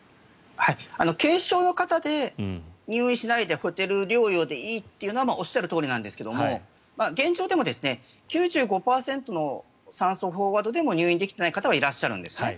軽症の方で入院しないでホテル療養でいいというのはおっしゃるとおりですが現状でも９５％の酸素飽和度でも入院できてない方はいらっしゃるんですね。